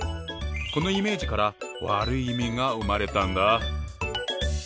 このイメージから悪い意味が生まれたんだ。